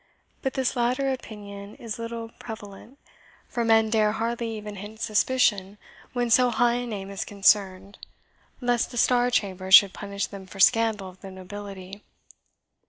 But this latter opinion is little prevalent; for men dare hardly even hint suspicion when so high a name is concerned, lest the Star Chamber should punish them for scandal of the nobility."